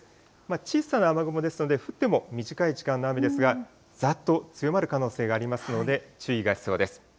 小さな雨雲ですので、降っても短い時間の雨ですが、ざっと強まる可能性がありますので、注意が必要です。